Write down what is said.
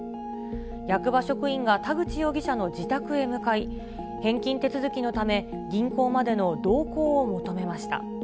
役場職員が田口容疑者の自宅へ向かい、返金手続きのため、銀行までの同行を求めました。